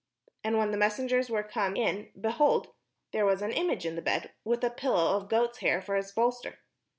And when the messengers were come in, behold, there was an image in the bed, with a pillow of goats' hair for his bolster.